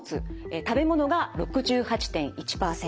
食べ物が６８．１％。